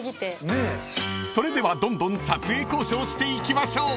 ［それではどんどん撮影交渉していきましょう］